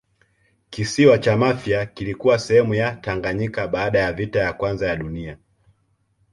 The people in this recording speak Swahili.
kisiwa cha mafia kilikuwa sehemu ya tanganyika baada ya vita ya kwanza ya dunia